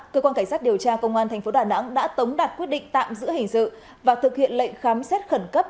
cơ quan cảnh sát điều tra công an tp đà nẵng đã tống đạt quyết định tạm giữ hình sự và thực hiện lệnh khám xét khẩn cấp